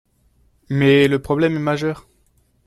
mais le problème est majeur